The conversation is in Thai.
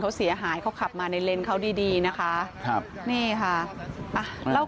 ใช่ครับมันก็จะขับสายไปสายมา